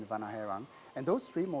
vanaheerang dan tiga model itu